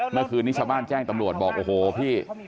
เมื่อคืนนี้ชาวบ้านแจ้งตำรวจบอกโอ้โหพี่